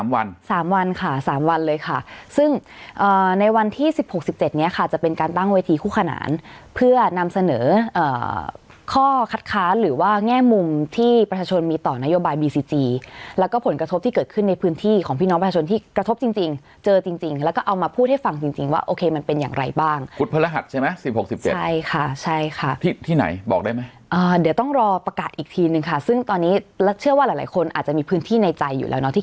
วันสามวันค่ะสามวันเลยค่ะซึ่งในวันที่สิบหกสิบเจ็ดเนี้ยค่ะจะเป็นการตั้งวิธีคู่ขนานเพื่อนำเสนอข้อคัดค้าหรือว่าแง่มุมที่ประชาชนมีต่อนโยบายบีซีจีแล้วก็ผลกระทบที่เกิดขึ้นในพื้นที่ของพี่น้องประชาชนที่กระทบจริงจริงเจอจริงจริงแล้วก็เอามาพูดให้ฟังจริงจริงว่าโอเคมัน